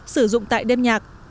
sử dụng tại đêm nhạc